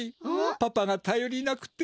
パパがたよりなくて。